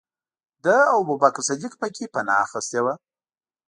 ده او ابوبکر صدیق پکې پنا اخستې وه.